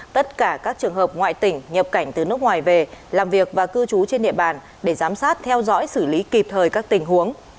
tất cả các trường hợp ngoại tỉnh nhập cảnh từ nước ngoài về làm việc và cư trú trên địa bàn để giám sát theo dõi xử lý kịp thời các tình huống